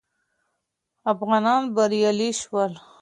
افغانان بریالي شول